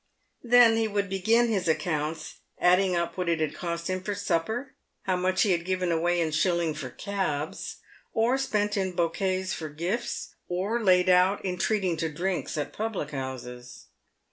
Then he would begin his accounts, adding up what it had cost him for supper, how much he had given away in shillings for cabs, or spent in bouquets for gifts, or laid out in treating to drinks at public houses.